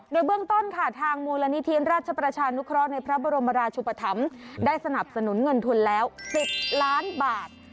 โดยเบื้องต้นค่ะทางมูลนิธิราชประชานุเคราะห์ในพระบรมราชุปธรรมได้สนับสนุนเงินทุนแล้ว๑๐ล้านบาท